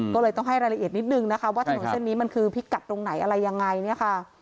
ก็เลยต้องให้รายละเอียดนิดนึงนะคะว่าถนนเส้นนี้มันคือพิกัดตรงไหนอะไรยังไงเนี่ยค่ะ